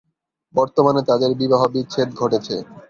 বর্তমানে তাদের বিবাহ বিচ্ছেদ ঘটেছে।